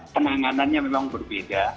penanganannya memang berbeda